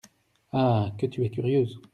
Ah ! que tu es curieuse !…